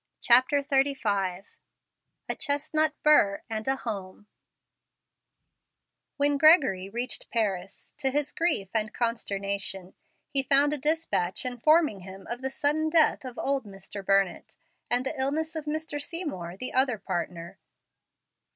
CHAPTER XXXV A CHESTNUT BURR AND A HOME When Gregory reached Paris, to his grief and consternation he found a despatch informing him of the sudden death of old Mr. Burnett, and the illness of Mr. Seymour, the other partner.